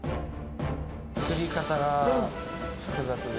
作り方が複雑で。